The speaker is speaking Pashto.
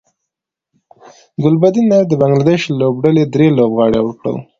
ګلبدین نایب د بنګلادیش لوبډلې درې لوبغاړي اوټ کړل